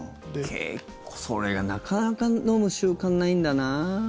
それがなかなか飲む習慣ないんだなあ。